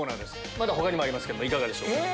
まだ他にもありますけどいかがでしょう？